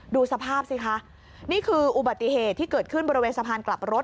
ดูสภาพสิคะนี่คืออุบัติเหตุที่เกิดขึ้นบริเวณสะพานกลับรถ